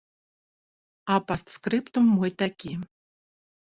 А пастскрыптум мой такі.